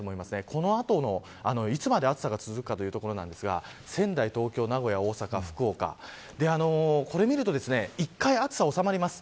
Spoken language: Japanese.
この後、いつまで暑さが続くかというところなんですが仙台、東京、名古屋、大阪、福岡これを見ると一回、暑さおさまります。